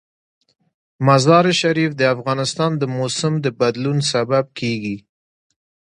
مزارشریف د افغانستان د موسم د بدلون سبب کېږي.